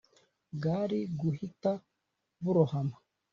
bwari guhita burohama